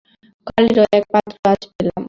কালীরও এক পত্র আজ পেলাম।